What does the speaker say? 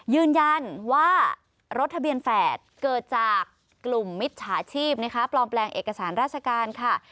ยืนยันว่ารถทะเบียนแฝดเกิดจากกลุ่มมิจฉาชีพนะคะปลอมแปลงเอกสารราชการค่ะ